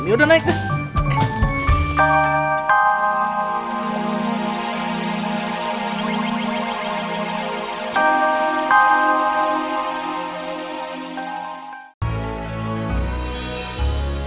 ini udah naik tuh